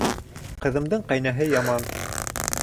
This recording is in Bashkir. Ҡыҙымдың ҡәйнәһе яман.